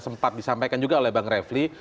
sempat disampaikan juga oleh bang refli